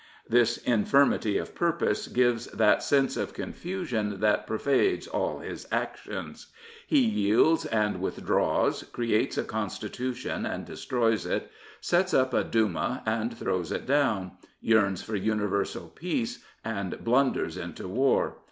This infirmity of purpose gives that sense of con fusion that pervades all his actions. He yields and withdraws, creates a Constitution and destroys it, sets up a Duma and throws it down, yearns for universal peace and blunders into war.